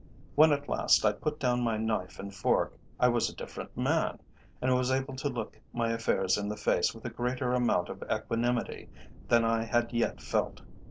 When at last I put down my knife and fork I was a different man, and was able to look my affairs in the face with a greater amount of equanimity than I had yet felt.